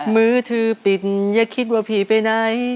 มือถือปิดอย่าคิดว่าพี่ไปไหน